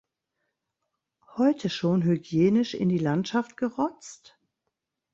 Heute schon hygienisch in die Landschaft gerotzt?